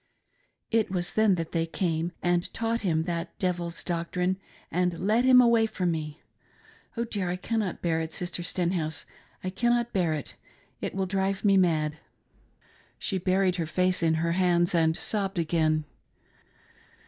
It was then that they came and taught him that devils' doctrine and led him away from me. — Oh dear ! I cannot bear it, Sister Stenhouse, I cannot bear it it will drive me mad!" Sg6 ELDER SHREWSBXJftt's BRG«£N PROMISE. She buried her face in hef hands and sobbed again.